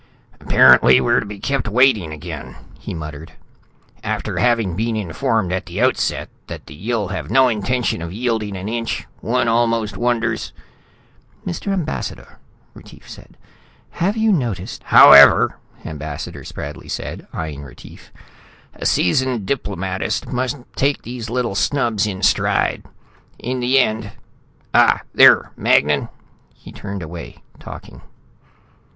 "Apparently we're to be kept waiting again," he muttered. "After having been informed at the outset that the Yill have no intention of yielding an inch, one almost wonders...." "Mr. Ambassador," Retief said. "Have you noticed " "However," Ambassador Spradley said, eyeing Retief, "a seasoned diplomatist must take these little snubs in stride. In the end Ah, there, Magnan." He turned away, talking.